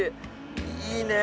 いいねえ。